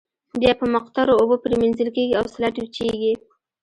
بیا په مقطرو اوبو پریمنځل کیږي او سلایډ وچیږي.